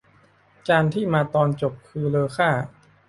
จานที่มาตอนจบคือเลอค่า